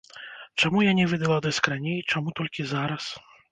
Чаму я не выдала дыск раней, чаму толькі зараз?